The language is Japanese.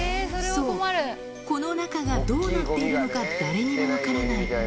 そう、この中がどうなっているのか誰にも分からない。